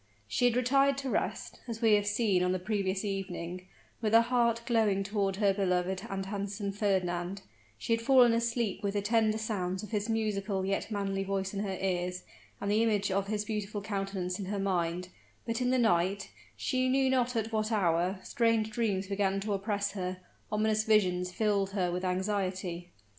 She had retired to rest, as we have seen on the previous evening, with a heart glowing toward her beloved and handsome Fernand she had fallen asleep with the tender sounds of his musical yet manly voice in her ears, and the image of his beautiful countenance in her mind but in the night she knew not at what hour strange dreams began to oppress her, ominous visions filled her with anxiety.